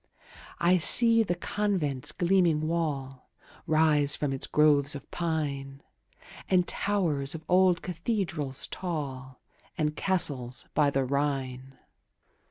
I see the convent's gleaming wall Rise from its groves of pine, And towers of old cathedrals tall, And castles by the Rhine.